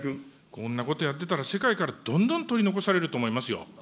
こんなことやってたら、世界からどんどん取り残されると思いますよ。